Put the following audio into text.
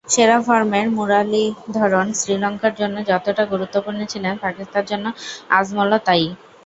সেরা ফর্মের মুরালিধরন শ্রীলঙ্কার জন্য যতটা গুরুত্বপূর্ণ ছিলেন, পাকিস্তানের জন্য আজমলও তা-ই।